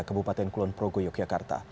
kebupaten kulon progo yogyakarta